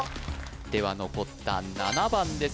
では残った７番です